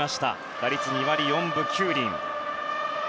打率は２割４分９厘。